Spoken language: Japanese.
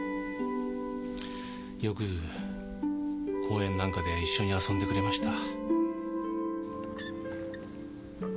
よく公園なんかで一緒に遊んでくれました。